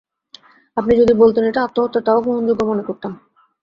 আপনি যদি বলতেন এটা আত্মহত্যা, তাও গ্রহণযোগ্য মনে করতাম।